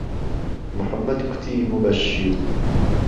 محەممەد کوتیموبهششیر